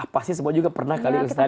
pasti semua juga pernah kali ustadz gitu kan